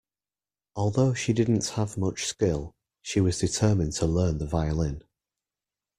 Although she didn't have much skill, she was determined to learn the violin.